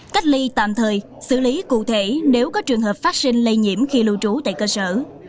cách ly tạm thời xử lý cụ thể nếu có trường hợp phát sinh lây nhiễm khi lưu trú tại cơ sở